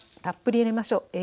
たっぷり入れましょう。